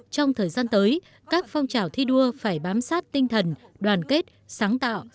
trong thời gian tới các phong trào thi đua phải bám sát tinh thần đoàn kết sáng tạo